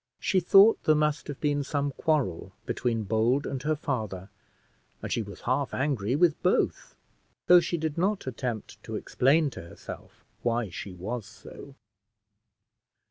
She thought there must have been some quarrel between Bold and her father, and she was half angry with both, though she did not attempt to explain to herself why she was so.